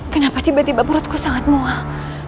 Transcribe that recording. kenapa tiba tiba perutku sangat mual